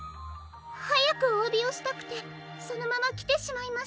はやくおわびをしたくてそのままきてしまいましたの。